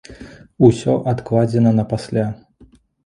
Усё адкладзена на пасля.